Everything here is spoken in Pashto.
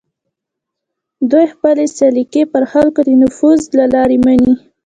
دوی خپلې سلیقې پر خلکو د نفوذ له لارې مني